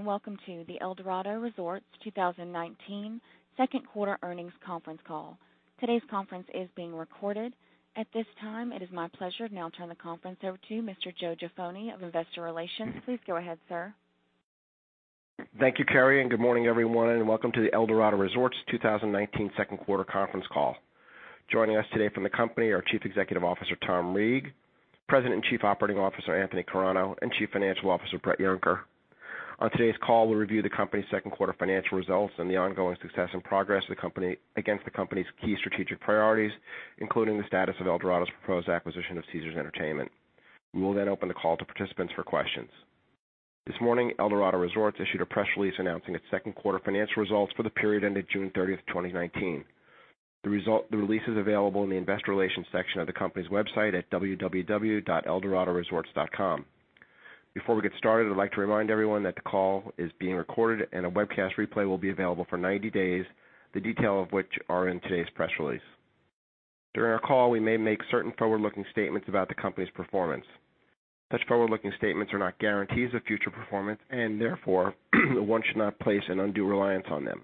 Welcome to the Eldorado Resorts 2019 second quarter earnings conference call. Today's conference is being recorded. At this time, it is my pleasure to now turn the conference over to Mr. Joseph Jaffoni of Investor Relations. Please go ahead, sir. Thank you, Carrie, good morning, everyone, and welcome to the Eldorado Resorts 2019 second quarter conference call. Joining us today from the company are Chief Executive Officer, Tom Reeg, President and Chief Operating Officer, Anthony Carano, and Chief Financial Officer, Bret Yunker. On today's call, we'll review the company's second quarter financial results and the ongoing success and progress against the company's key strategic priorities, including the status of Eldorado's proposed acquisition of Caesars Entertainment. We will open the call to participants for questions. This morning, Eldorado Resorts issued a press release announcing its second quarter financial results for the period ending June 30th, 2019. The release is available in the investor relations section of the company's website at www.eldoradorresorts.com. Before we get started, I'd like to remind everyone that the call is being recorded and a webcast replay will be available for 90 days, the detail of which are in today's press release. During our call, we may make certain forward-looking statements about the company's performance. Such forward-looking statements are not guarantees of future performance, and therefore, one should not place an undue reliance on them.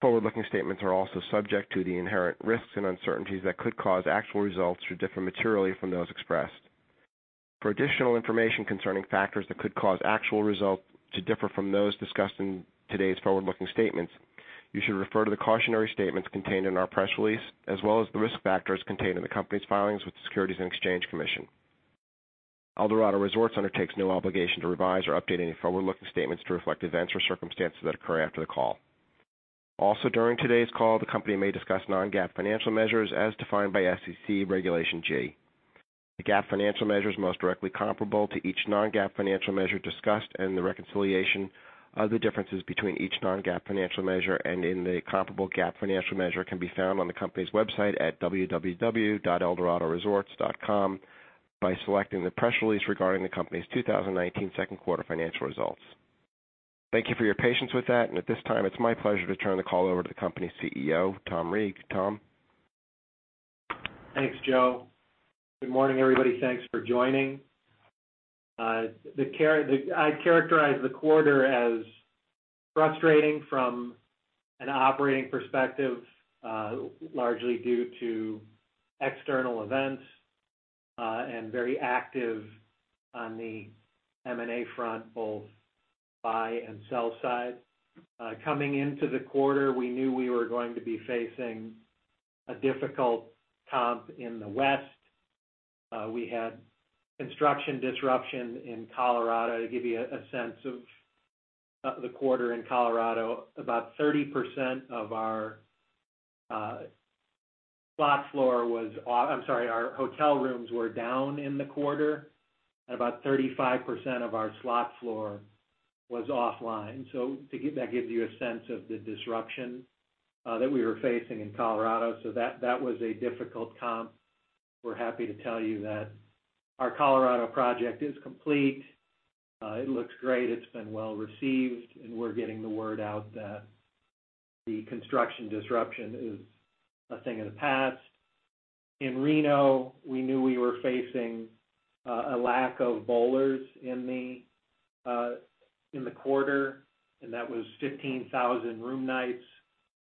Forward-looking statements are also subject to the inherent risks and uncertainties that could cause actual results to differ materially from those expressed. For additional information concerning factors that could cause actual results to differ from those discussed in today's forward-looking statements, you should refer to the cautionary statements contained in our press release, as well as the risk factors contained in the company's filings with the Securities and Exchange Commission. Eldorado Resorts undertakes no obligation to revise or update any forward-looking statements to reflect events or circumstances that occur after the call. During today's call, the company may discuss non-GAAP financial measures as defined by SEC Regulation G. The GAAP financial measure is most directly comparable to each non-GAAP financial measure discussed and the reconciliation of the differences between each non-GAAP financial measure and in the comparable GAAP financial measure can be found on the company's website at www.eldoradoresorts.com by selecting the press release regarding the company's 2019 second quarter financial results. Thank you for your patience with that. At this time, it's my pleasure to turn the call over to the company's CEO, Tom Reeg. Tom? Thanks, Joe. Good morning, everybody. Thanks for joining. I'd characterize the quarter as frustrating from an operating perspective, largely due to external events, and very active on the M&A front, both buy and sell side. Coming into the quarter, we knew we were going to be facing a difficult comp in the West. We had construction disruption in Colorado. To give you a sense of the quarter in Colorado, about 30% of our hotel rooms were down in the quarter, and about 35% of our slot floor was offline. That gives you a sense of the disruption that we were facing in Colorado. That was a difficult comp. We're happy to tell you that our Colorado project is complete. It looks great. It's been well-received, and we're getting the word out that the construction disruption is a thing of the past. In Reno, we knew we were facing a lack of bowlers in the quarter, and that was 15,000 room nights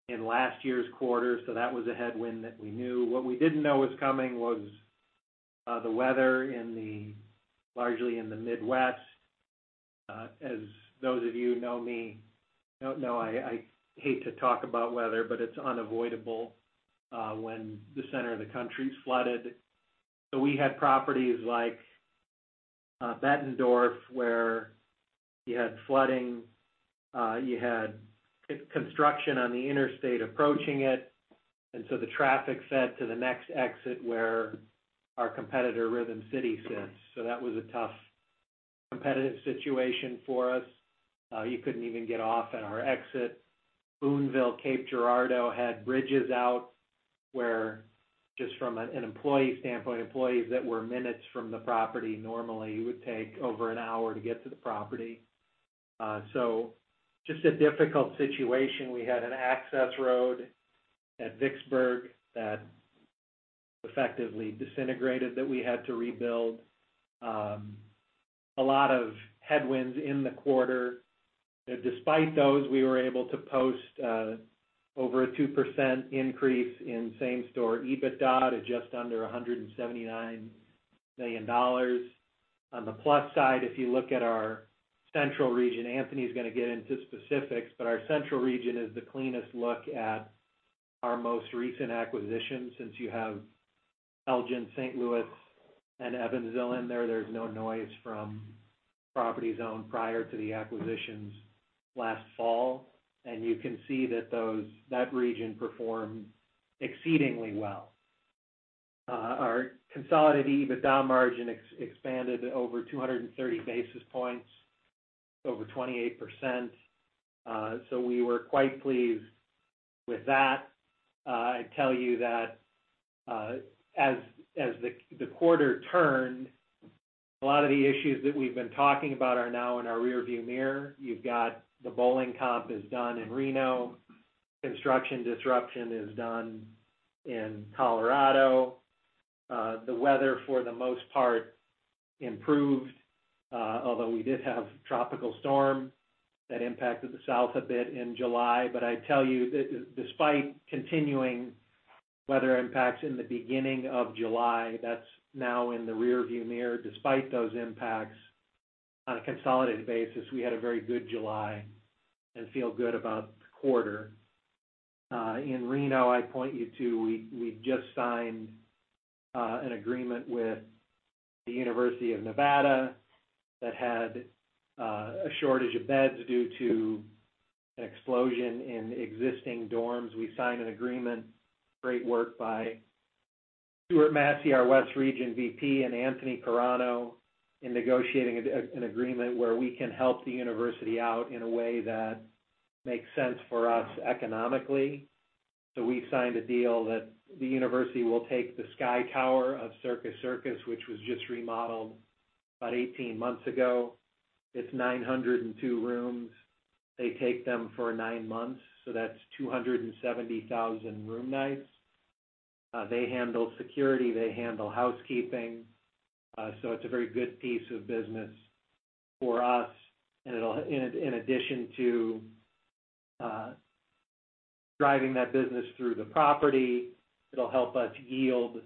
in last year's quarter. That was a headwind that we knew. What we didn't know was coming was the weather, largely in the Midwest. As those of you who know me know, I hate to talk about weather, but it's unavoidable when the center of the country is flooded. We had properties like Bettendorf, where you had flooding. You had construction on the interstate approaching it, the traffic fed to the next exit where our competitor, Rhythm City, sits. That was a tough competitive situation for us. You couldn't even get off at our exit. Boonville, Cape Girardeau had bridges out where, just from an employee standpoint, employees that were minutes from the property normally would take over an hour to get to the property. Just a difficult situation. We had an access road at Vicksburg that effectively disintegrated that we had to rebuild. A lot of headwinds in the quarter. Despite those, we were able to post over a 2% increase in same-store EBITDA to just under $179 million. On the plus side, if you look at our central region, Anthony's going to get into specifics, but our central region is the cleanest look at our most recent acquisitions. Since you have Elgin, St. Louis, and Evansville in there's no noise from properties owned prior to the acquisitions last fall. You can see that that region performed exceedingly well. Our consolidated EBITDA margin expanded over 230 basis points, over 28%. We were quite pleased with that. I'd tell you that as the quarter turned, a lot of the issues that we've been talking about are now in our rear-view mirror. You've got the bowling comp is done in Reno. Construction disruption is done in Colorado. The weather for the most part improved, although we did have tropical storm that impacted the south a bit in July. I tell you that despite continuing weather impacts in the beginning of July, that's now in the rear view mirror. Despite those impacts, on a consolidated basis, we had a very good July and feel good about the quarter. In Reno, I point you to, we just signed an agreement with the University of Nevada that had a shortage of beds due to an explosion in existing dorms. We signed an agreement, great work by Stuart Massie, our West Region VP, and Anthony Carano in negotiating an agreement where we can help the University out in a way that makes sense for us economically. We signed a deal that the university will take the Sky Tower of Circus Circus, which was just remodeled about 18 months ago. It's 902 rooms. They take them for nine months, that's 270,000 room nights. They handle security, they handle housekeeping. It's a very good piece of business for us, and in addition to driving that business through the property, it'll help us yield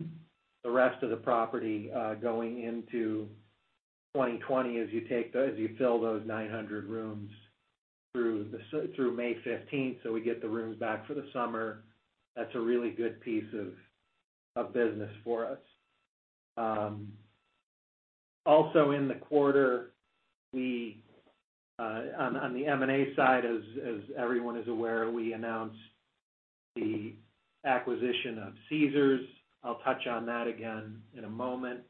the rest of the property, going into 2020 as you fill those 900 rooms through May 15th, we get the rooms back for the summer. That's a really good piece of business for us. Also in the quarter, on the M&A side, as everyone is aware, we announced the acquisition of Caesars. I'll touch on that again in a moment.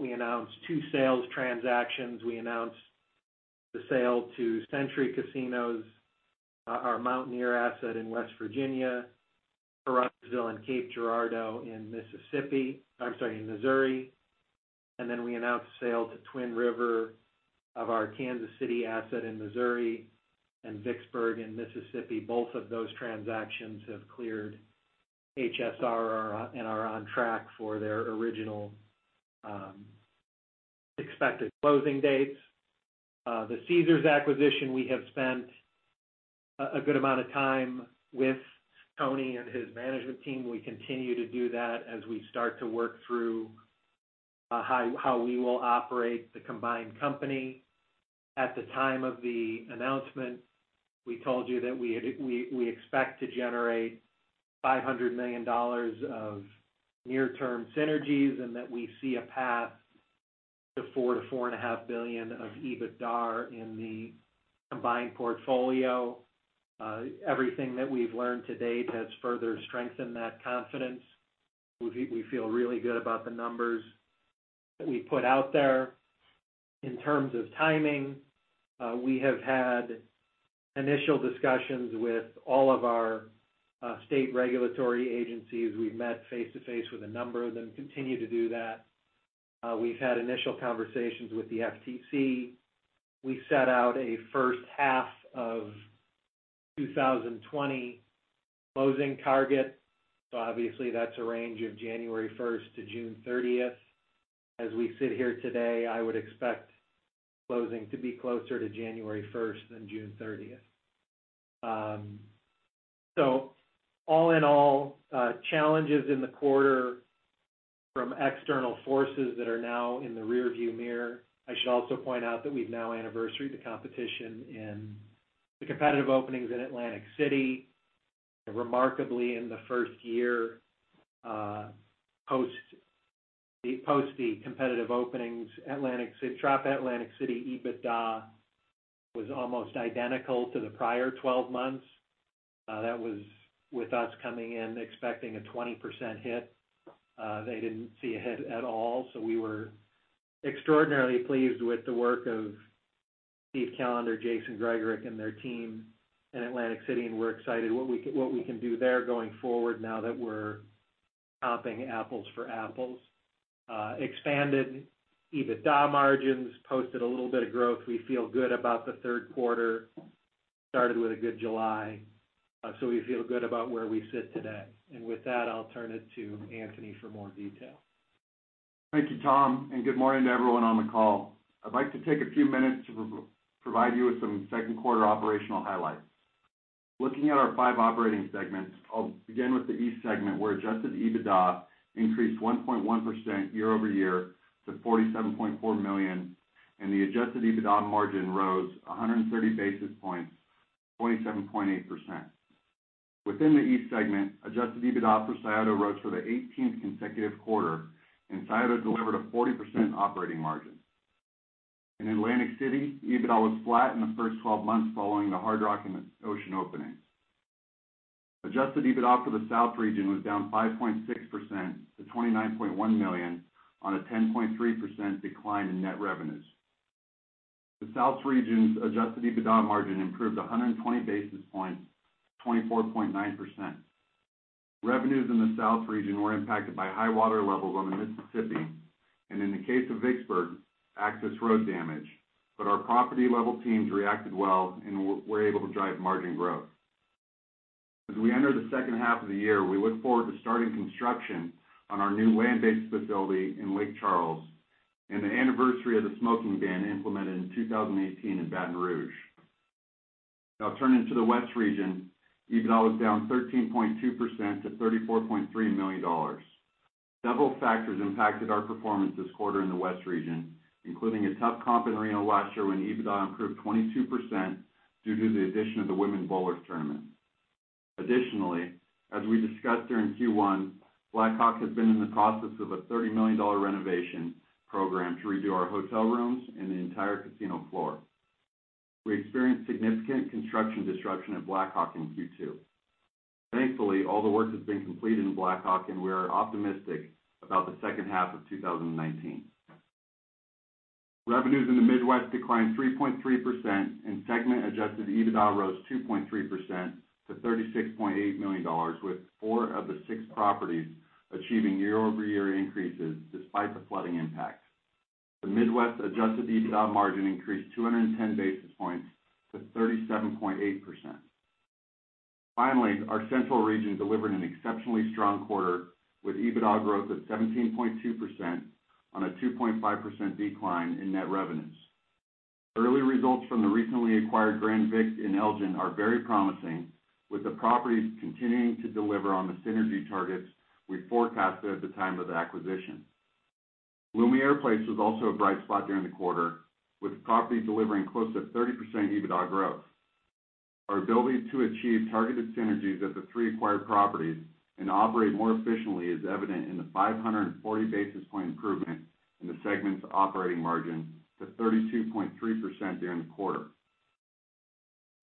We announced two sales transactions. We announced the sale to Century Casinos, our Mountaineer asset in West Virginia, Caruthersville and Cape Girardeau in Missouri. We announced the sale to Twin River of our Kansas City asset in Missouri and Vicksburg in Mississippi. Both of those transactions have cleared HSR and are on track for their original expected closing dates. The Caesars acquisition, we have spent a good amount of time with Tony and his management team. We continue to do that as we start to work through how we will operate the combined company. At the time of the announcement, we told you that we expect to generate $500 million of near-term synergies and that we see a path to $4 billion to $4.5 billion of EBITDAR in the combined portfolio. Everything that we've learned to date has further strengthened that confidence. We feel really good about the numbers that we put out there. In terms of timing, we have had initial discussions with all of our state regulatory agencies. We've met face-to-face with a number of them, continue to do that. We've had initial conversations with the FTC. We set out a first half of 2020 closing target. Obviously that's a range of January 1st-June 30th. As we sit here today, I would expect closing to be closer to January 1st than June 30th. All in all, challenges in the quarter from external forces that are now in the rear view mirror. I should also point out that we've now anniversaried the competition in the competitive openings in Atlantic City, and remarkably, in the first year, post the competitive openings, Tropicana Atlantic City EBITDA was almost identical to the prior 12 months. That was with us coming in expecting a 20% hit. They didn't see a hit at all. We were extraordinarily pleased with the work of Steve Callender, Jason Gregorec and their team in Atlantic City, and we're excited what we can do there going forward now that we're comparing apples for apples. Expanded EBITDA margins, posted a little bit of growth. We feel good about the third quarter. Started with a good July, so we feel good about where we sit today. With that, I'll turn it to Anthony for more detail. Thank you, Tom, and good morning to everyone on the call. I'd like to take a few minutes to provide you with some second quarter operational highlights. Looking at our five operating segments, I'll begin with the East Segment where adjusted EBITDA increased 1.1% year-over-year to $47.4 million and the adjusted EBITDA margin rose 130 basis points to 27.8%. Within the East Segment, adjusted EBITDA for Scioto rose for the 18th consecutive quarter, and Scioto delivered a 40% operating margin. In Atlantic City, EBITDA was flat in the first 12 months following the Hard Rock and Ocean opening. Adjusted EBITDA for the South Region was down 5.6% to $29.1 million on a 10.3% decline in net revenues. The South Region's adjusted EBITDA margin improved 120 basis points to 24.9%. Revenues in the South region were impacted by high water levels on the Mississippi, and in the case of Vicksburg, access road damage. Our property-level teams reacted well and were able to drive margin growth. As we enter the second half of the year, we look forward to starting construction on our new land-based facility in Lake Charles and the anniversary of the smoking ban implemented in 2018 in Baton Rouge. Now turning to the West region, EBITDA was down 13.2% to $34.3 million. Several factors impacted our performance this quarter in the West region, including a tough comp in Reno last year when EBITDA improved 22% due to the addition of the USBC Women's Championships. Additionally, as we discussed during Q1, Black Hawk has been in the process of a $30 million renovation program to redo our hotel rooms and the entire casino floor. We experienced significant construction disruption at Black Hawk in Q2. Thankfully, all the work has been completed in Black Hawk, and we are optimistic about the second half of 2019. Revenues in the Midwest declined 3.3%, and segment adjusted EBITDA rose 2.3% to $36.8 million, with four of the six properties achieving year-over-year increases despite the flooding impact. The Midwest adjusted EBITDA margin increased 210 basis points to 37.8%. Finally, our Central region delivered an exceptionally strong quarter with EBITDA growth of 17.2% on a 2.5% decline in net revenues. Early results from the recently acquired Grand Vic in Elgin are very promising, with the properties continuing to deliver on the synergy targets we forecasted at the time of the acquisition. Lumiere Place was also a bright spot during the quarter, with the property delivering close to 30% EBITDA growth. Our ability to achieve targeted synergies at the three acquired properties and operate more efficiently is evident in the 540 basis point improvement in the segment's operating margin to 32.3% during the quarter.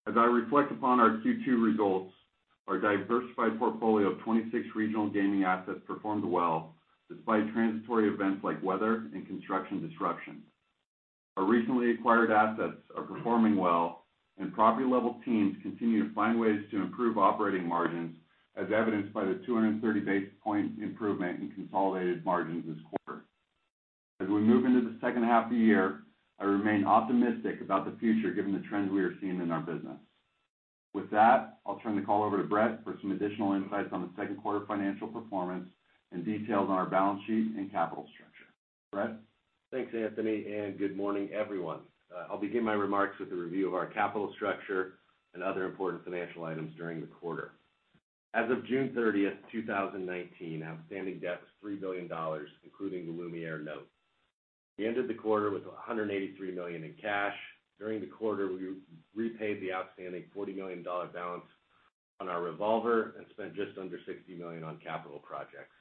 As I reflect upon our Q2 results, our diversified portfolio of 26 regional gaming assets performed well despite transitory events like weather and construction disruption. Our recently acquired assets are performing well, and property-level teams continue to find ways to improve operating margins, as evidenced by the 230 basis point improvement in consolidated margins this quarter. As we move into the second half of the year, I remain optimistic about the future given the trends we are seeing in our business. With that, I'll turn the call over to Bret for some additional insights on the second quarter financial performance and details on our balance sheet and capital structure. Bret? Thanks, Anthony, and good morning, everyone. I'll begin my remarks with a review of our capital structure and other important financial items during the quarter. As of June 30th, 2019, outstanding debt was $3 billion, including the Lumiere note. We ended the quarter with $183 million in cash. During the quarter, we repaid the outstanding $40 million balance on our revolver and spent just under $60 million on capital projects.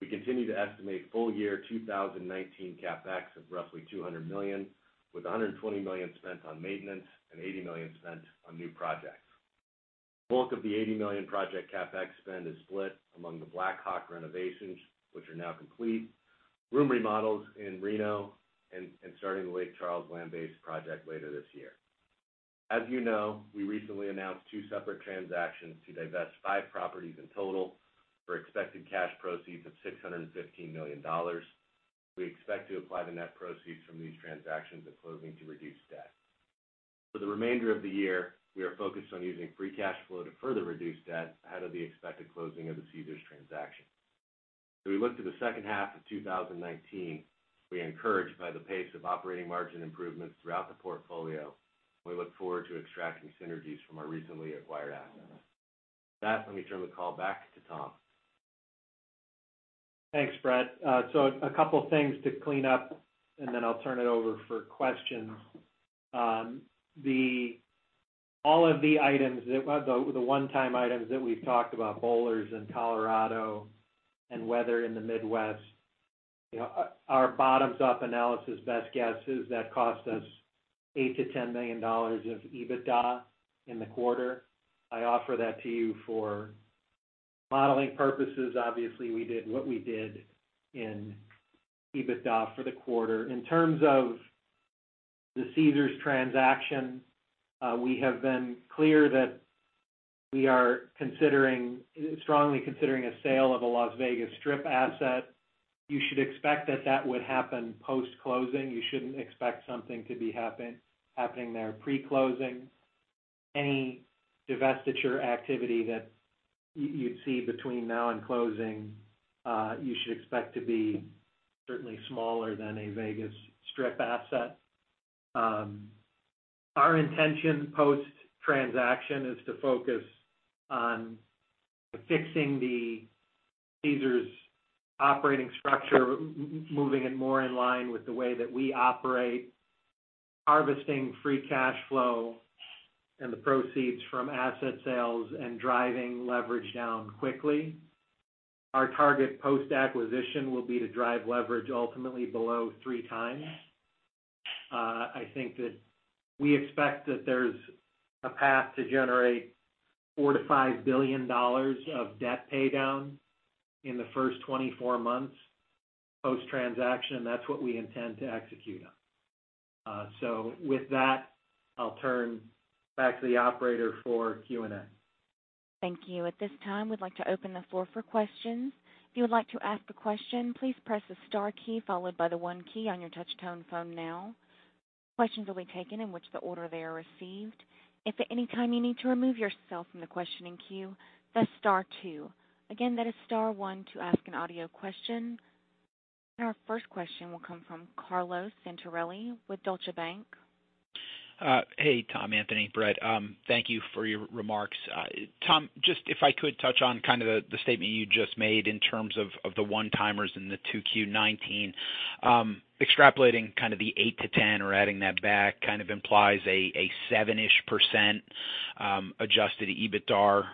We continue to estimate full-year 2019 CapEx of roughly $200 million, with $120 million spent on maintenance and $80 million spent on new projects. The bulk of the $80 million project CapEx spend is split among the Black Hawk renovations, which are now complete, room remodels in Reno, and starting the Lake Charles land-based project later this year. As you know, we recently announced two separate transactions to divest five properties in total for expected cash proceeds of $615 million. We expect to apply the net proceeds from these transactions at closing to reduce debt. For the remainder of the year, we are focused on using free cash flow to further reduce debt ahead of the expected closing of the Caesars transaction. As we look to the second half of 2019, we are encouraged by the pace of operating margin improvements throughout the portfolio. We look forward to extracting synergies from our recently acquired assets. With that, let me turn the call back to Tom. Thanks, Bret. A couple things to clean up, and then I'll turn it over for questions. All of the one-time items that we've talked about, bowlers in Colorado and weather in the Midwest, our bottoms-up analysis best guess is that cost us $8 million to $10 million of EBITDA in the quarter. I offer that to you for modeling purposes. Obviously, we did what we did in EBITDA for the quarter. In terms of the Caesars transaction, we have been clear that we are strongly considering a sale of a Las Vegas Strip asset. You should expect that that would happen post-closing. You shouldn't expect something to be happening there pre-closing. Any divestiture activity that you'd see between now and closing, you should expect to be certainly smaller than a Vegas Strip asset. Our intention post-transaction is to focus on fixing the Caesars operating structure, moving it more in line with the way that we operate, harvesting free cash flow and the proceeds from asset sales, and driving leverage down quickly. Our target post-acquisition will be to drive leverage ultimately below three times. I think that we expect that there's a path to generate $4 billion-$5 billion of debt paydown in the first 24 months post-transaction. That's what we intend to execute on. With that, I'll turn back to the operator for Q&A. Thank you. At this time, we'd like to open the floor for questions. If you would like to ask a question, please press the star key followed by the one key on your touch-tone phone now. Questions will be taken in which the order they are received. If at any time you need to remove yourself from the questioning queue, press star two. Again, that is star one to ask an audio question. Our first question will come from Carlo Santarelli with Deutsche Bank. Hey, Tom, Anthony, Bret. Thank you for your remarks. Tom, if I could touch on the statement you just made in terms of the one-timers in the 2Q 2019. Extrapolating kind of the 8 to 10 or adding that back kind of implies a 7-ish% adjusted EBITDAR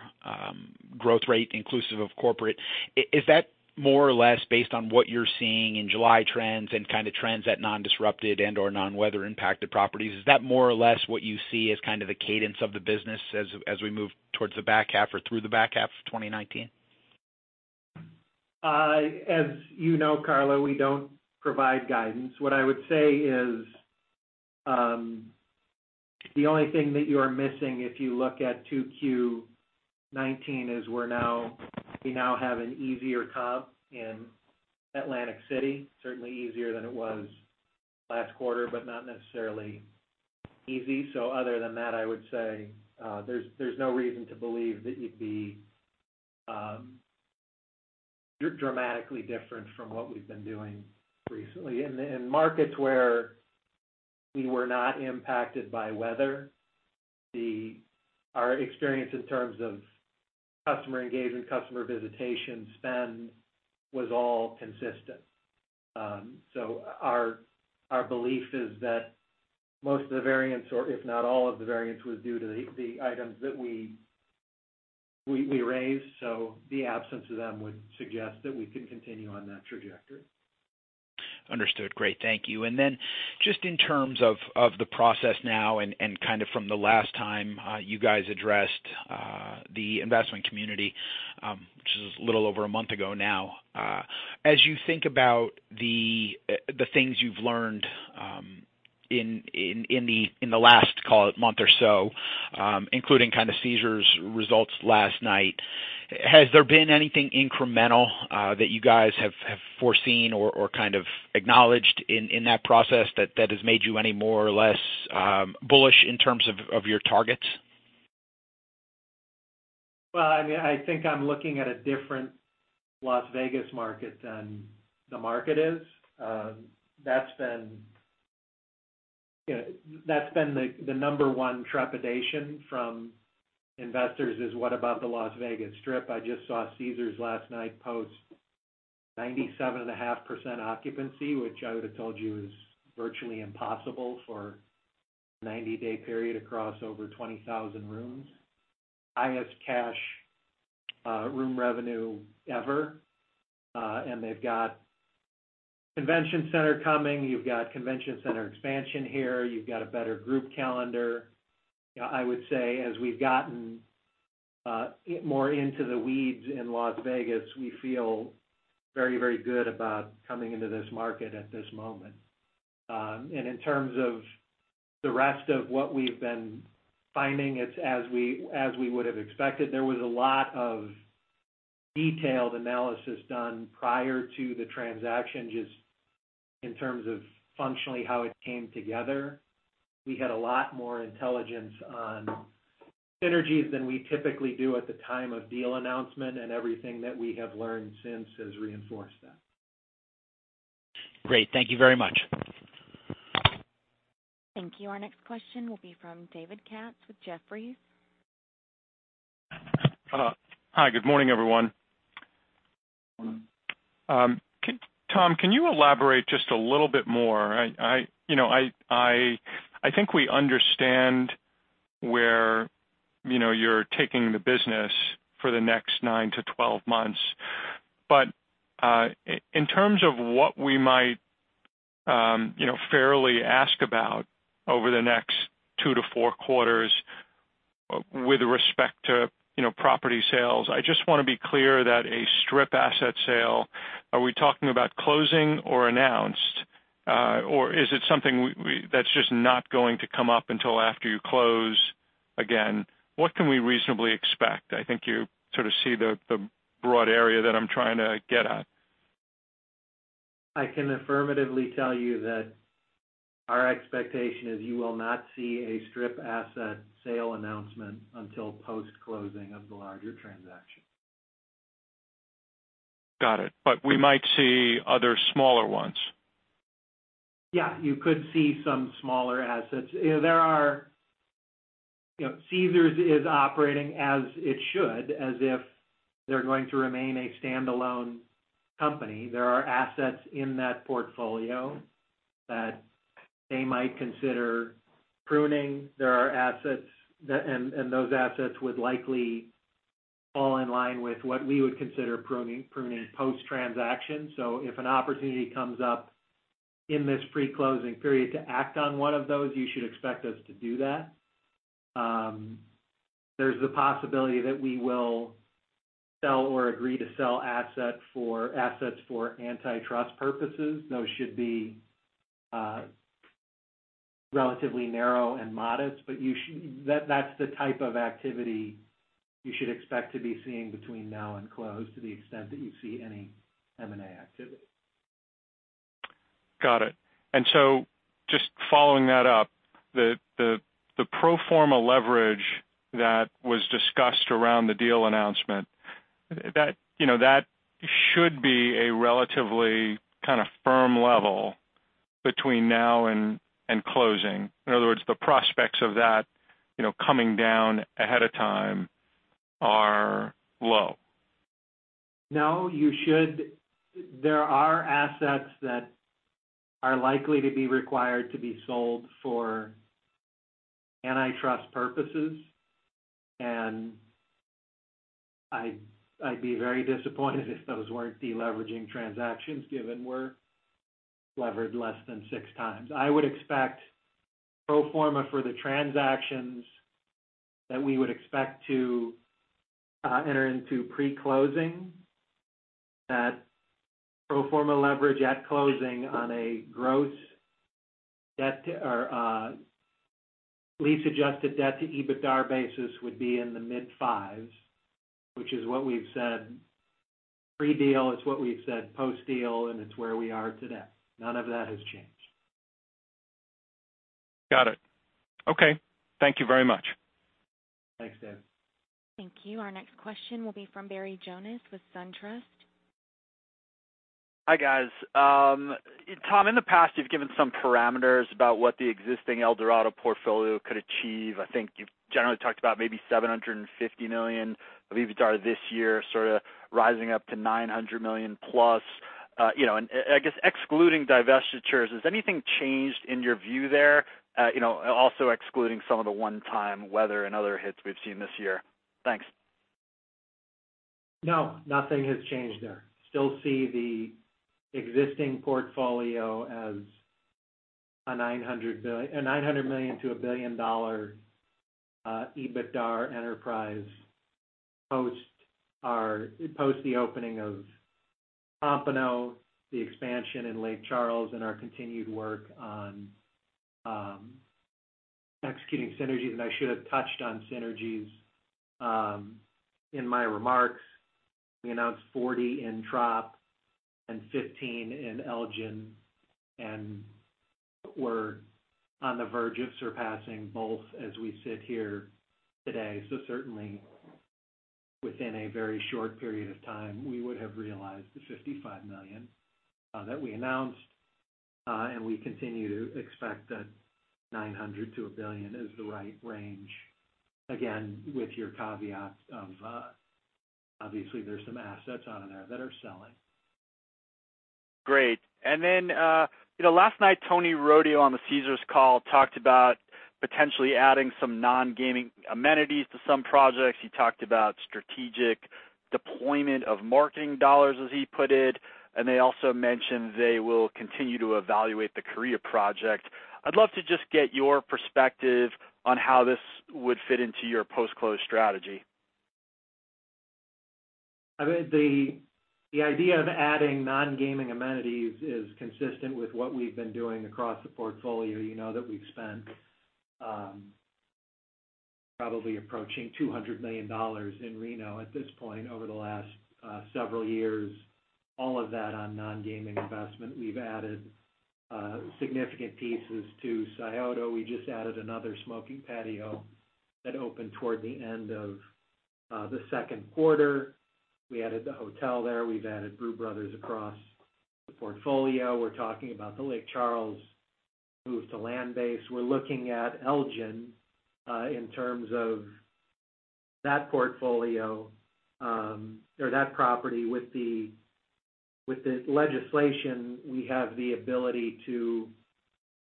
growth rate inclusive of corporate. Is that more or less based on what you're seeing in July trends and kind of trends at non-disrupted and/or non-weather impacted properties? Is that more or less what you see as kind of the cadence of the business as we move towards the back half or through the back half of 2019? As you know, Carlo, we don't provide guidance. What I would say is, the only thing that you are missing if you look at 2Q 2019, is we now have an easier comp in Atlantic City, certainly easier than it was last quarter, but not necessarily easy. Other than that, I would say, there's no reason to believe that you'd be dramatically different from what we've been doing recently. In markets where we were not impacted by weather, our experience in terms of customer engagement, customer visitation spend was all consistent. Our belief is that most of the variance, or if not all of the variance, was due to the items that we raised. The absence of them would suggest that we can continue on that trajectory. Understood. Great. Thank you. Then just in terms of the process now and kind of from the last time you guys addressed the investment community, which is a little over a month ago now. As you think about the things you've learned in the last month or so, including kind of Caesars results last night, has there been anything incremental that you guys have foreseen or kind of acknowledged in that process that has made you any more or less bullish in terms of your targets? Well, I think I'm looking at a different Las Vegas market than the market is. That's been the number one trepidation from investors is, what about the Las Vegas Strip? I just saw Caesars last night post 97.5% occupancy, which I would have told you is virtually impossible for a 90-day period across over 20,000 rooms. Highest cash room revenue ever. They've got convention center coming. You've got convention center expansion here. You've got a better group calendar. I would say as we've gotten more into the weeds in Las Vegas, we feel very good about coming into this market at this moment. In terms of the rest of what we've been finding, it's as we would have expected. There was a lot of detailed analysis done prior to the transaction, just in terms of functionally how it came together. We had a lot more intelligence on synergies than we typically do at the time of deal announcement, and everything that we have learned since has reinforced that. Great. Thank you very much. Thank you. Our next question will be from David Katz with Jefferies. Hi. Good morning, everyone. Tom, can you elaborate just a little bit more? I think we understand where you're taking the business for the next nine to 12 months. In terms of what we might fairly ask about over the next two to four quarters with respect to property sales, I just want to be clear that a Strip asset sale, are we talking about closing or announced? Is it something that's just not going to come up until after you close again? What can we reasonably expect? I think you sort of see the broad area that I'm trying to get at. I can affirmatively tell you that our expectation is you will not see a Strip asset sale announcement until post-closing of the larger transaction. Got it. We might see other smaller ones. Yeah, you could see some smaller assets. Caesars is operating as it should, as if they're going to remain a standalone company. There are assets in that portfolio that they might consider pruning. Those assets would likely fall in line with what we would consider pruning post-transaction. If an opportunity comes up in this pre-closing period to act on one of those, you should expect us to do that. There's the possibility that we will sell or agree to sell assets for antitrust purposes. Those should be relatively narrow and modest, but that's the type of activity. You should expect to be seeing between now and close to the extent that you see any M&A activity. Got it. Just following that up, the pro forma leverage that was discussed around the deal announcement, that should be a relatively kind of firm level between now and closing. In other words, the prospects of that coming down ahead of time are low. No, there are assets that are likely to be required to be sold for antitrust purposes, and I'd be very disappointed if those weren't de-leveraging transactions given we're levered less than six times. I would expect pro forma for the transactions that we would expect to enter into pre-closing, that pro forma leverage at closing on a gross debt or lease adjusted debt to EBITDA basis would be in the mid-fives, which is what we've said pre-deal, it's what we've said post-deal, and it's where we are today. None of that has changed. Got it. Okay. Thank you very much. Thanks, Dan. Thank you. Our next question will be from Barry Jonas with SunTrust. Hi, guys. Tom, in the past, you've given some parameters about what the existing Eldorado portfolio could achieve. I think you've generally talked about maybe $750 million of EBITDA this year, sort of rising up to $900 million plus. I guess excluding divestitures, has anything changed in your view there? Excluding some of the one-time weather and other hits we've seen this year. Thanks. No, nothing has changed there. Still see the existing portfolio as a $900 million to $1 billion EBITDA enterprise post the opening of Pompano, the expansion in Lake Charles, and our continued work on executing synergies. I should have touched on synergies in my remarks. We announced $40 million in Tropicana and $15 million in Elgin, and we're on the verge of surpassing both as we sit here today. Certainly, within a very short period of time, we would have realized the $55 million that we announced, and we continue to expect that $900 million to $1 billion is the right range. Again, with your caveat of, obviously there's some assets on there that are selling. Great. Last night, Tony Rodio on the Caesars call talked about potentially adding some non-gaming amenities to some projects. He talked about strategic deployment of marketing dollars, as he put it, and they also mentioned they will continue to evaluate the Korea project. I’d love to just get your perspective on how this would fit into your post-close strategy. The idea of adding non-gaming amenities is consistent with what we've been doing across the portfolio, that we've spent probably approaching $200 million in Reno at this point over the last several years, all of that on non-gaming investment. We've added significant pieces to Scioto. We just added another smoking patio that opened toward the end of the second quarter. We added the hotel there. We've added Brew Brothers across the portfolio. We're talking about the Lake Charles move to land-based. We're looking at Elgin in terms of that portfolio or that property. With the legislation, we have the ability to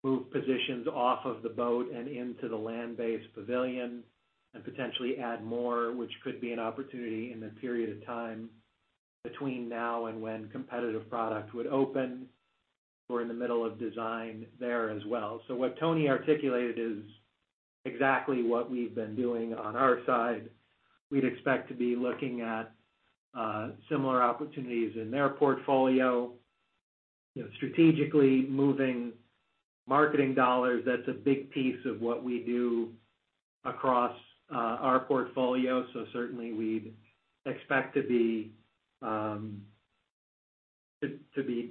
move positions off of the boat and into the land-based pavilion and potentially add more, which could be an opportunity in the period of time between now and when competitive product would open. We're in the middle of design there as well. What Tony articulated is exactly what we've been doing on our side. We'd expect to be looking at similar opportunities in their portfolio. Strategically moving marketing dollars, that's a big piece of what we do across our portfolio. Certainly, we'd expect to be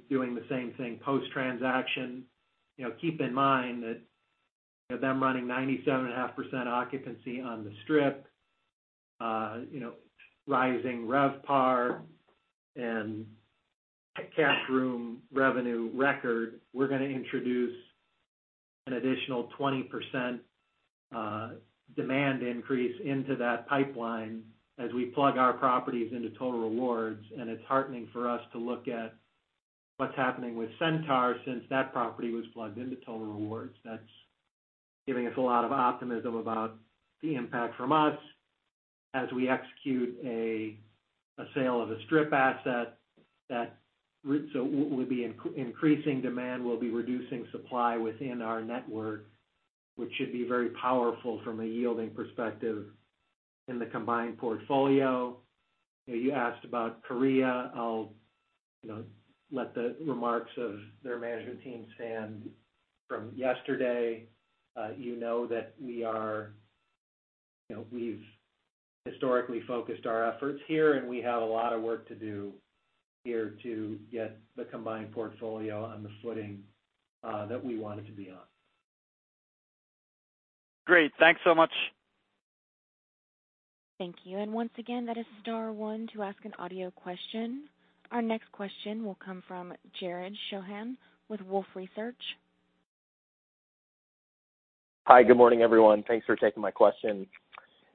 doing the same thing post-transaction. Keep in mind that they're running 97.5% occupancy on the Strip, rising RevPAR and a cash room revenue record. We're going to introduce an additional 20% demand increase into that pipeline as we plug our properties into Total Rewards, and it's heartening for us to look at what's happening with Centaur since that property was plugged into Total Rewards. That's giving us a lot of optimism about the impact from us as we execute a sale of a Strip asset. We'll be increasing demand, we'll be reducing supply within our network, which should be very powerful from a yielding perspective in the combined portfolio. You asked about Korea. I'll let the remarks of their management team stand from yesterday. You know that we've historically focused our efforts here, and we have a lot of work to do here to get the combined portfolio on the footing that we want it to be on. Great. Thanks so much. Thank you. Once again, that is star one to ask an audio question. Our next question will come from Jared Shojaian with Wolfe Research. Hi, good morning, everyone. Thanks for taking my question.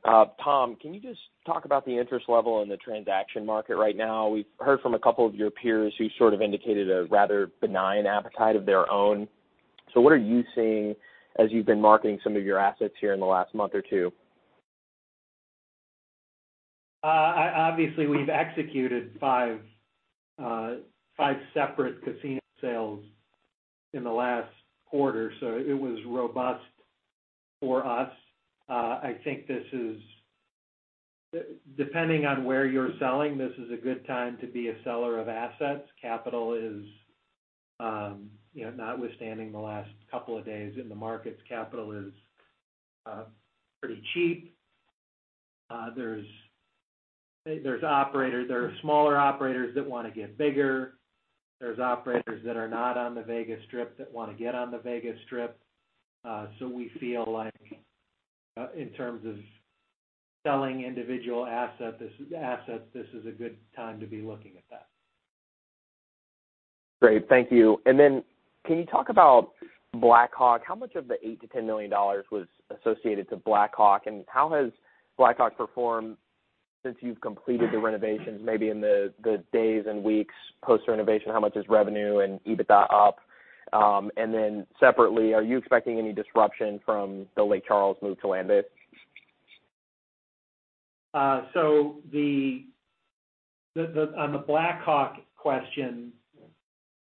Tom, can you just talk about the interest level in the transaction market right now? We've heard from a couple of your peers who sort of indicated a rather benign appetite of their own. What are you seeing as you've been marketing some of your assets here in the last month or two? Obviously, we've executed five separate casino sales in the last quarter, so it was robust for us. I think depending on where you're selling, this is a good time to be a seller of assets. Notwithstanding the last couple of days in the markets, capital is pretty cheap. There are smaller operators that want to get bigger. There's operators that are not on the Vegas Strip that want to get on the Vegas Strip. We feel like in terms of selling individual assets, this is a good time to be looking at that. Great. Thank you. Can you talk about Black Hawk? How much of the $8 million-$10 million was associated to Black Hawk, and how has Black Hawk performed since you've completed the renovations, maybe in the days and weeks post-renovation, how much is revenue and EBITDA up? Separately, are you expecting any disruption from the Lake Charles move to land-based? On the Black Hawk question,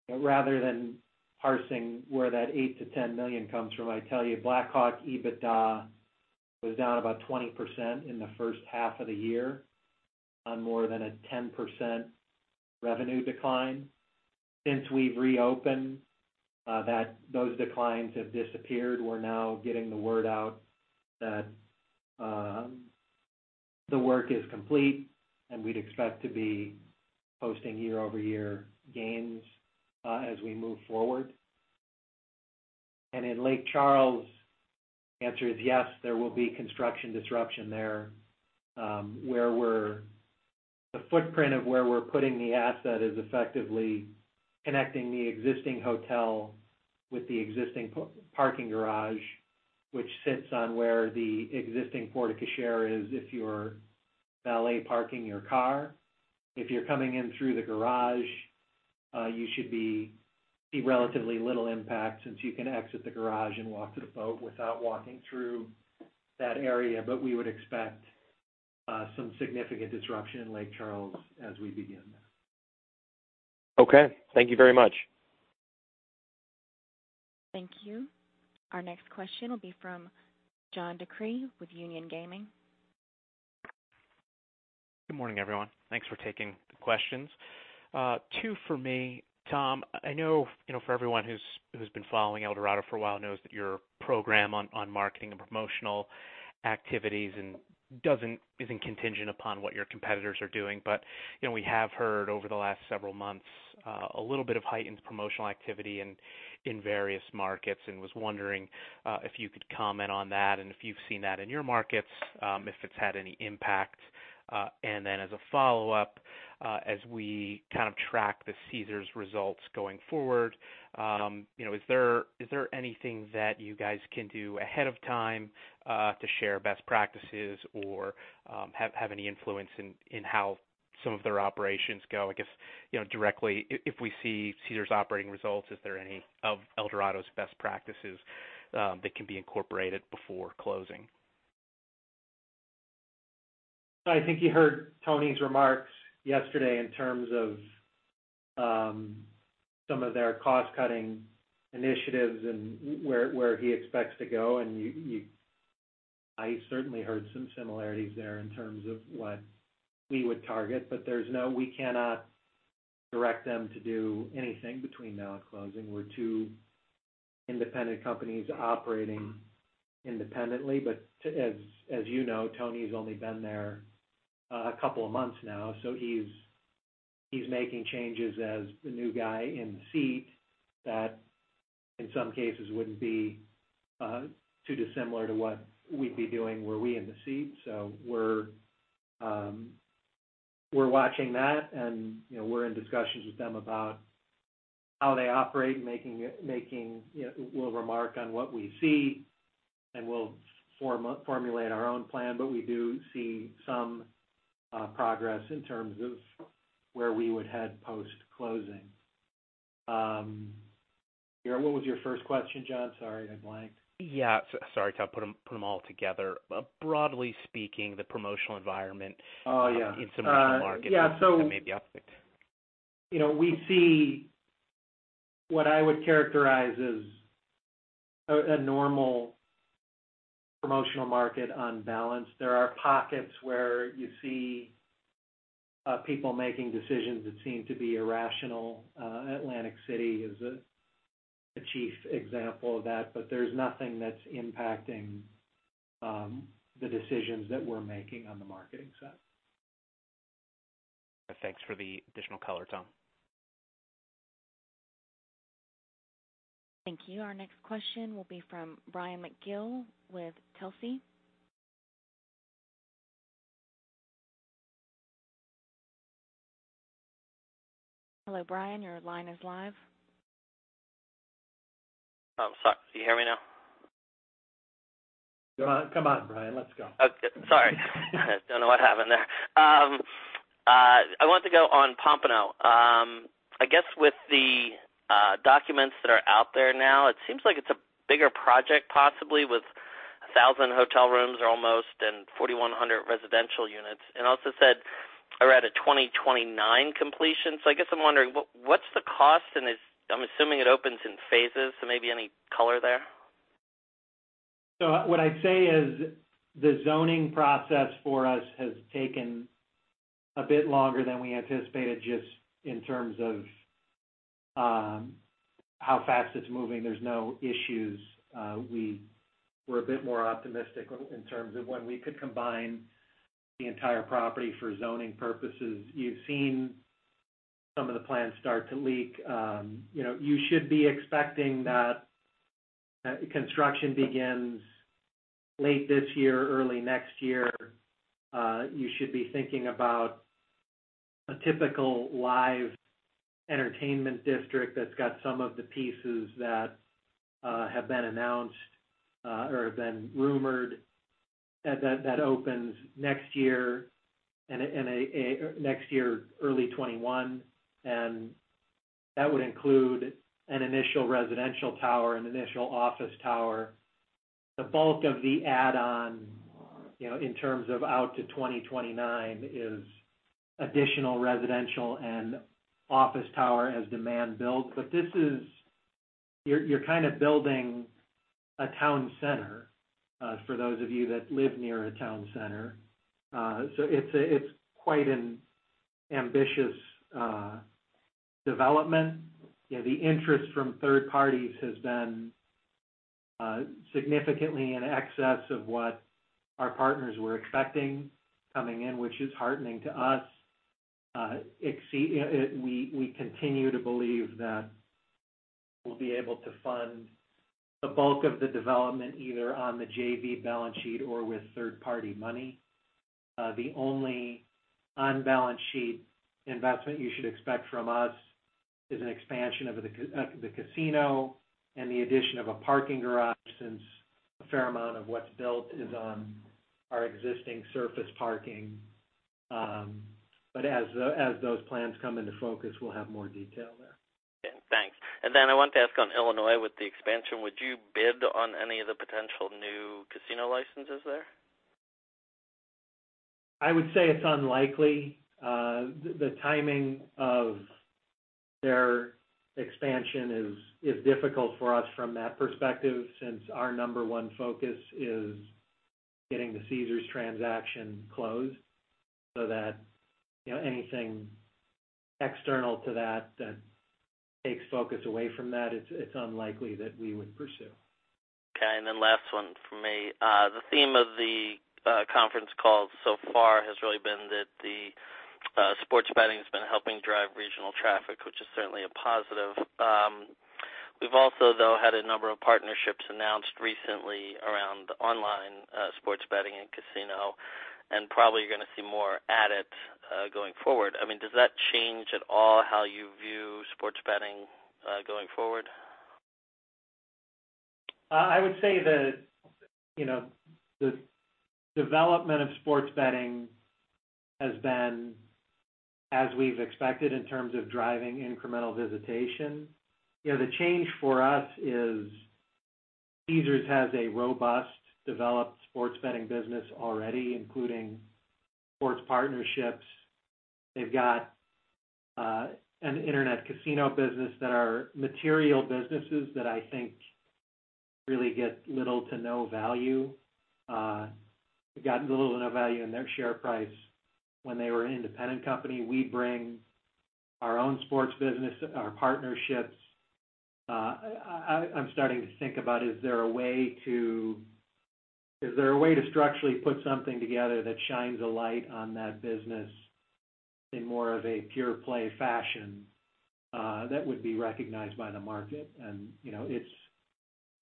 rather than parsing where that $8 million-$10 million comes from, I tell you Black Hawk EBITDA was down about 20% in the first half of the year on more than a 10% revenue decline. Since we've reopened, those declines have disappeared. We're now getting the word out that the work is complete, and we'd expect to be posting year-over-year gains as we move forward. In Lake Charles, the answer is yes, there will be construction disruption there. The footprint of where we're putting the asset is effectively connecting the existing hotel with the existing parking garage, which sits on where the existing porte cochere is if you're valet parking your car. If you're coming in through the garage, you should see relatively little impact since you can exit the garage and walk to the boat without walking through that area. We would expect some significant disruption in Lake Charles as we begin. Okay. Thank you very much. Thank you. Our next question will be from John DeCree with Union Gaming. Good morning, everyone. Thanks for taking the questions. Two for me. Tom, I know for everyone who's been following Eldorado for a while knows that your program on marketing and promotional activities isn't contingent upon what your competitors are doing. We have heard over the last several months a little bit of heightened promotional activity in various markets, was wondering if you could comment on that and if you've seen that in your markets, if it's had any impact. As a follow-up, as we kind of track the Caesars results going forward, is there anything that you guys can do ahead of time to share best practices or have any influence in how some of their operations go? I guess directly, if we see Caesars operating results, is there any of Eldorado's best practices that can be incorporated before closing? I think you heard Tony's remarks yesterday in terms of some of their cost-cutting initiatives and where he expects to go, and I certainly heard some similarities there in terms of what we would target. We cannot direct them to do anything between now and closing. We're two independent companies operating independently. As you know, Tony's only been there a couple of months now, so he's making changes as the new guy in the seat that, in some cases, wouldn't be too dissimilar to what we'd be doing were we in the seat. We're watching that, and we're in discussions with them about how they operate and we'll remark on what we see, and we'll formulate our own plan. We do see some progress in terms of where we would head post-closing. What was your first question, John? Sorry, I blanked. Yeah. Sorry, Tom, put them all together. Broadly speaking, the promotional environment- Oh, yeah. in some of those markets that may be affected. We see what I would characterize as a normal promotional market on balance. There are pockets where you see people making decisions that seem to be irrational. Atlantic City is a chief example of that, but there's nothing that's impacting the decisions that we're making on the marketing side. Thanks for the additional color, Tom. Thank you. Our next question will be from Brian McGill with Telsey. Hello, Brian. Your line is live. Oh, sorry. Can you hear me now? Come on, Brian. Let's go. Okay. Sorry. Don't know what happened there. I wanted to go on Pompano. With the documents that are out there now, it seems like it's a bigger project, possibly, with 1,000 hotel rooms or almost, and 4,100 residential units. Also said, I read a 2029 completion. I'm wondering, what's the cost, and I'm assuming it opens in phases, maybe any color there? What I'd say is the zoning process for us has taken a bit longer than we anticipated, just in terms of how fast it's moving. There's no issues. We were a bit more optimistic in terms of when we could combine the entire property for zoning purposes. You've seen some of the plans start to leak. You should be expecting that construction begins late this year or early next year. You should be thinking about a typical live entertainment district that's got some of the pieces that have been announced or have been rumored, that opens next year, early 2021. That would include an initial residential tower, an initial office tower. The bulk of the add-on in terms of out to 2029 is additional residential and office tower as demand builds. You're kind of building a town center, for those of you that live near a town center. It's quite an ambitious development. The interest from third parties has been significantly in excess of what our partners were expecting coming in, which is heartening to us. We continue to believe that we'll be able to fund the bulk of the development either on the JV balance sheet or with third-party money. The only on-balance-sheet investment you should expect from us is an expansion of the casino and the addition of a parking garage, since a fair amount of what's built is on our existing surface parking. As those plans come into focus, we'll have more detail there. Okay, thanks. Then I wanted to ask on Illinois, with the expansion, would you bid on any of the potential new casino licenses there? I would say it's unlikely. The timing of their expansion is difficult for us from that perspective, since our number one focus is getting the Caesars transaction closed, so that anything external to that takes focus away from that, it's unlikely that we would pursue. Okay, last one from me. The theme of the conference call so far has really been that the sports betting has been helping drive regional traffic, which is certainly a positive. We've also, though, had a number of partnerships announced recently around online sports betting and casino, and probably you're going to see more added going forward. Does that change at all how you view sports betting going forward? I would say the development of sports betting has been as we've expected in terms of driving incremental visitation. The change for us is Caesars has a robust, developed sports betting business already, including sports partnerships. They've got an internet casino business that are material businesses that I think really get little to no value. They got little to no value in their share price when they were an independent company. We bring our own sports business, our partnerships. I'm starting to think about, is there a way to structurally put something together that shines a light on that business in more of a pure-play fashion that would be recognized by the market? It's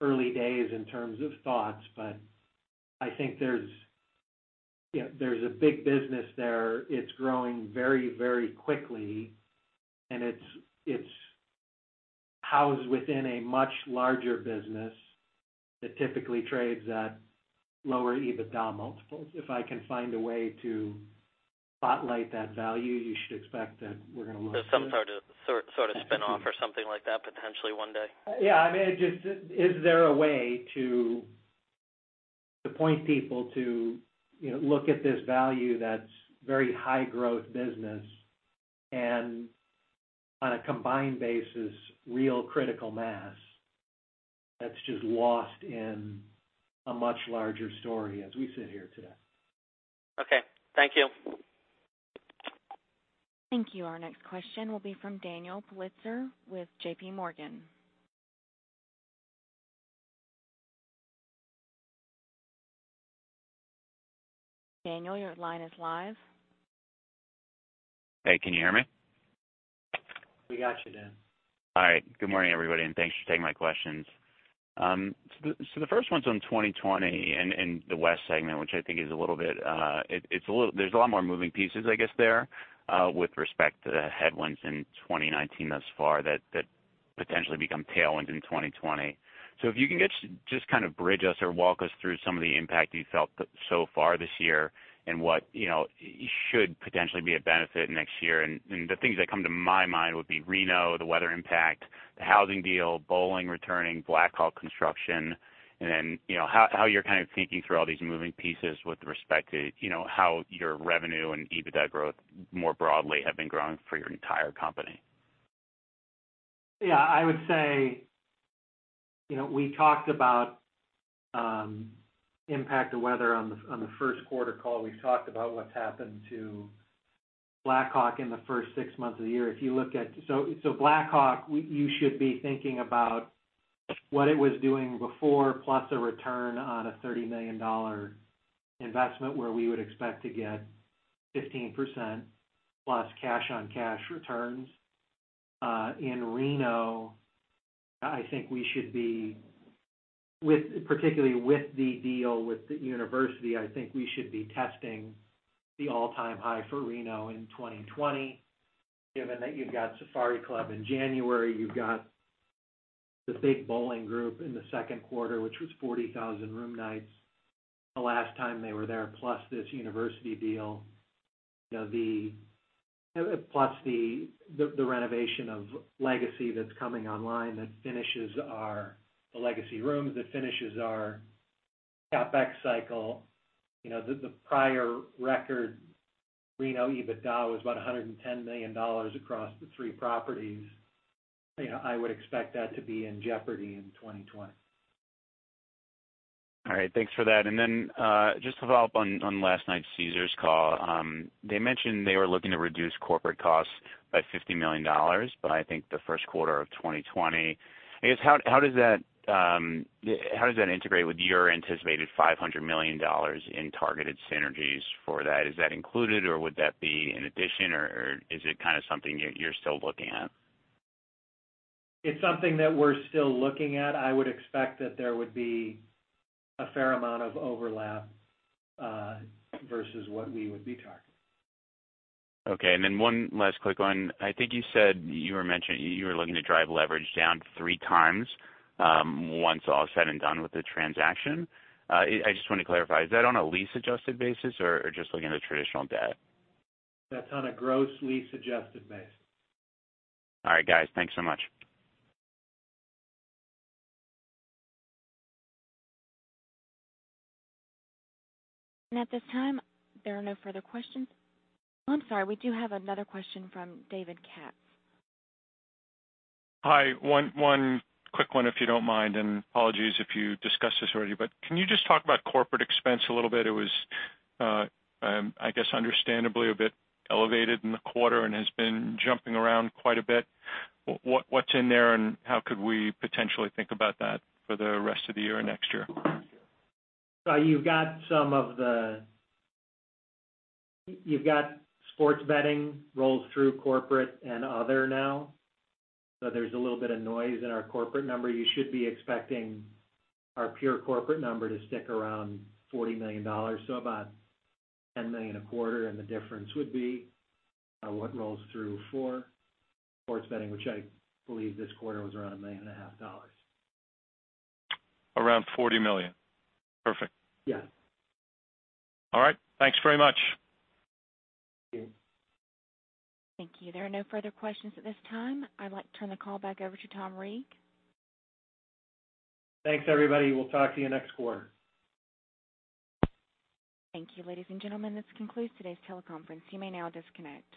early days in terms of thoughts, but I think there's a big business there. It's growing very quickly, and it's housed within a much larger business that typically trades at lower EBITDA multiples. If I can find a way to spotlight that value, you should expect that we're going to look at it. some sort of spin-off or something like that potentially one day. Yeah. Is there a way to point people to look at this value that's very high growth business. On a combined basis, real critical mass that's just lost in a much larger story as we sit here today. Okay, thank you. Thank you. Our next question will be from Daniel Politzer with JP Morgan. Daniel, your line is live. Hey, can you hear me? We got you, Dan. Hi. Good morning, everybody, and thanks for taking my questions. The first one's on 2020 and the West segment, which I think there's a lot more moving pieces, I guess, there with respect to the headwinds in 2019 thus far that potentially become tailwinds in 2020. If you can just kind of bridge us or walk us through some of the impact you felt so far this year and what should potentially be a benefit next year. The things that come to my mind would be Reno, the weather impact, the housing deal, bowling returning, Black Hawk construction, and then how you're kind of thinking through all these moving pieces with respect to how your revenue and EBITDA growth more broadly have been growing for your entire company. I would say, we talked about impact of weather on the first quarter call. We've talked about what's happened to Black Hawk in the first six months of the year. Black Hawk, you should be thinking about what it was doing before, plus a return on a $30 million investment where we would expect to get 15% plus cash on cash returns. In Reno, particularly with the deal with the university, I think we should be testing the all-time high for Reno in 2020, given that you've got Safari Club in January, you've got the big bowling group in the second quarter, which was 40,000 room nights the last time they were there, plus this university deal. The renovation of Legacy that's coming online, that finishes our legacy rooms, that finishes our CapEx cycle. The prior record Reno EBITDA was about $110 million across the three properties. I would expect that to be in jeopardy in 2020. All right, thanks for that. Just to follow up on last night's Caesars call. They mentioned they were looking to reduce corporate costs by $50 million by, I think, the first quarter of 2020. I guess, how does that integrate with your anticipated $500 million in targeted synergies for that? Is that included, or would that be in addition, or is it kind of something you're still looking at? It's something that we're still looking at. I would expect that there would be a fair amount of overlap, versus what we would be targeting. Okay, then one last quick one. I think you said you were looking to drive leverage down three times, once all said and done with the transaction. I just want to clarify, is that on a lease-adjusted basis or just looking at a traditional debt? That's on a gross lease-adjusted basis. All right, guys. Thanks so much. At this time, there are no further questions. I'm sorry. We do have another question from David Katz. Hi, one quick one, if you don't mind. Apologies if you discussed this already, can you just talk about corporate expense a little bit? It was, I guess, understandably a bit elevated in the quarter and has been jumping around quite a bit. What's in there? How could we potentially think about that for the rest of the year or next year? You've got sports betting rolls through corporate and other now, so there's a little bit of noise in our corporate number. You should be expecting our pure corporate number to stick around $40 million, so about $10 million a quarter, and the difference would be what rolls through for sports betting, which I believe this quarter was around a million and a half dollars. Around $40 million? Perfect. Yeah. All right. Thanks very much. Thank you. Thank you. There are no further questions at this time. I'd like to turn the call back over to Tom Reeg. Thanks, everybody. We'll talk to you next quarter. Thank you. Ladies and gentlemen, this concludes today's teleconference. You may now disconnect.